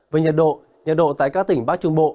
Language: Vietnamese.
về nhiệt độ nhiệt độ tại các tỉnh bắc trung bộ